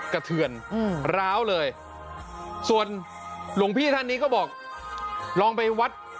เทือนร้าวเลยส่วนหลวงพี่ท่านนี้ก็บอกลองไปวัด